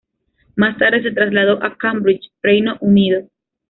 Más tarde se trasladó a Cambridge, Reino Unido.